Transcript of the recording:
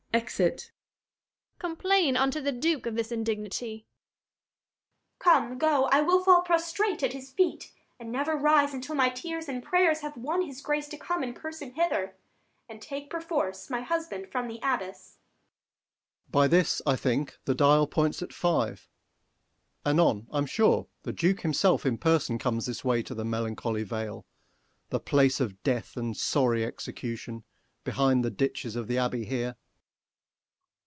[Exit. Luc. Complain unto the Duke of this indignity. Adr. Come, go: I will fall prostrate at his feet, And never rise until my tears and prayers 115 Have won his Grace to come in person hither, And take perforce my husband from the abbess. Sec. Mer. By this, I think, the dial points at five: Anon, I'm sure, the Duke himself in person Comes this way to the melancholy vale, 120 The place of death and sorry execution, Behind the ditches of the abbey here.